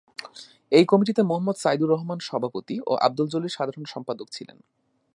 এই কমিটিতে মোহাম্মদ সাইদুর রহমান সভাপতি ও আবদুল জলিল সাধারণ সম্পাদক ছিলেন।